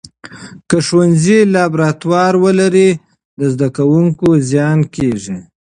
که ښوونځي لابراتوار ولري، د زده کوونکو زیان کېږي.